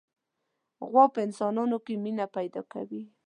غوا په انسانانو کې مینه پیدا کوي.